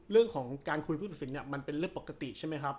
เรื่องของการคุยผู้ตัดสินเนี่ยมันเป็นเรื่องปกติใช่ไหมครับ